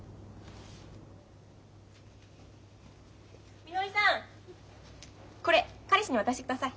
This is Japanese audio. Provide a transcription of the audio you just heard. みのりさんこれ彼氏に渡してください。